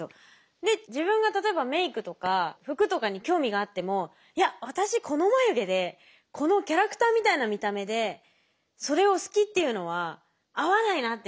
で自分が例えばメークとか服とかに興味があってもいや私この眉毛でこのキャラクターみたいな見た目でそれを好きっていうのは合わないなって自分の中で思って。